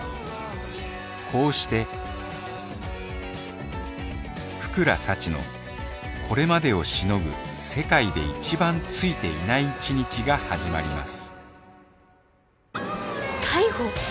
こうして福良幸のこれまでを凌ぐ世界で一番「ついていない」１日が始まります